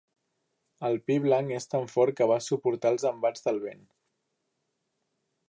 El pi blanc és tan fort que va suportar els embats del vent.